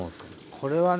これはね